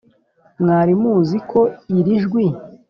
mwari muzi ko iri jwi